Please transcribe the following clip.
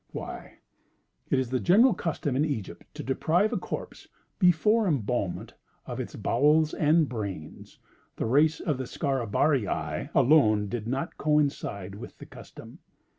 "Why, it is the general custom in Egypt to deprive a corpse, before embalmment, of its bowels and brains; the race of the Scarabaei alone did not coincide with the custom.